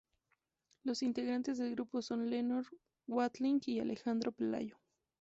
Los integrantes del grupo son Leonor Watling y Alejandro Pelayo.